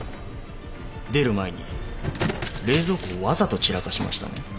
出る前に冷蔵庫をわざと散らかしましたね。